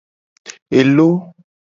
Elo.